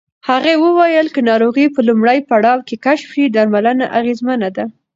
هغې وویل که ناروغي په لومړي پړاو کې کشف شي، درملنه اغېزمنه ده.